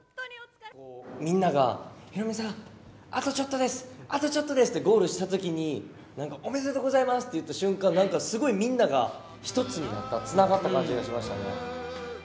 みんなが、ヒロミさん、あとちょっとです、あとちょっとですって、ゴールしたときに、なんかおめでとうございます！って言った瞬間、なんかすごいみんなが一つになった、つながった感じがしましたね。